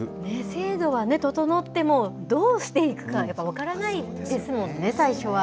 制度が整っても、どうしていいかやっぱり分からないですもんね、最初は。